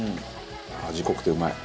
味濃くてうまい。